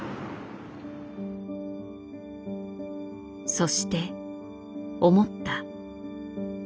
そして思った。